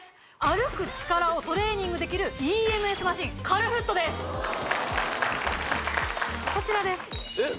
歩く力をトレーニングできるＥＭＳマシンカルフットですこちらですえっ